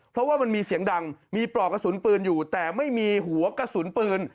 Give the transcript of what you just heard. เพราะว่ามันมีเสียงดังมีปลอกกระสุนปืนอยู่แต่ไม่มีหัวกระสุนปืน